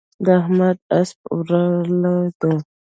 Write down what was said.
د احمد اسپه ورله ده.